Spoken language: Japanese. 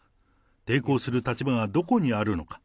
抵抗する立場がどこにあるのか。